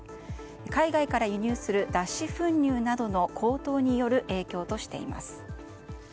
海外から輸入する脱脂粉乳などの高騰による影響としています。